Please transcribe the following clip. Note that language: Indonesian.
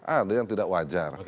ada yang tidak wajar